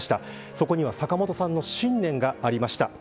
そこには坂本さんの信念がありました。